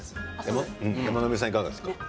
山野辺さん、いかがですか？